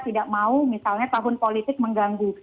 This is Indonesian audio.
tidak mau misalnya tahun politik mengganggu